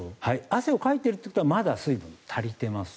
汗をかいているということは水分は足りています。